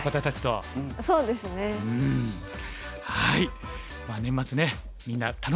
はい。